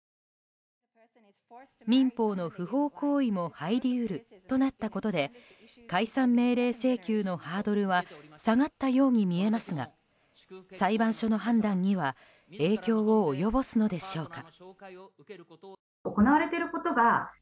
民法の不法行為も入り得るとなったことで解散命令請求のハードルは下がったように見えますが裁判所の判断には影響を及ぼすのでしょうか。